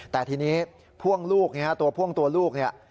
แต่ทีนี้พ่วงลูกเนี่ยตัวพ่วงตัวลูกเนี่ย